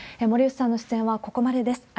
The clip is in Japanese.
森内さんの出演はここまでです。